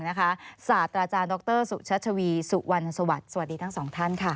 สาธาราจารย์ดรสุชัชวีสุวรรณสวัสดิตั้งสองท่านค่ะ